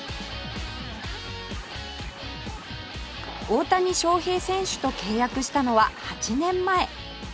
大谷翔平選手と契約したのは８年前